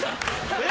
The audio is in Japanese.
えっ！？